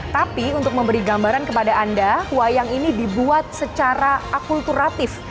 tapi untuk memberi gambaran kepada anda wayang ini dibuat secara akulturatif